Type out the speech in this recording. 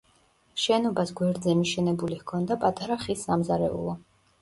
შენობას გვერდზე მიშენებული ჰქონდა პატარა ხის სამზარეულო.